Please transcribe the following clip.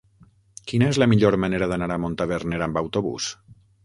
Quina és la millor manera d'anar a Montaverner amb autobús?